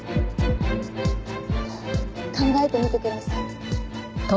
考えてみてください。